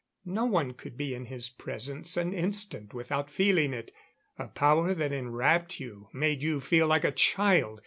No one could be in his presence an instant without feeling it. A power that enwrapped you; made you feel like a child.